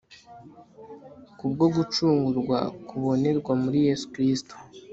k'ubwo gucungurwa kubonerwa muri yesu kristo